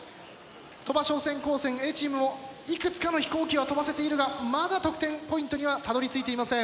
鳥羽商船高専Ａチームもいくつかの飛行機は飛ばせているがまだ得点ポイントにはたどりついていません。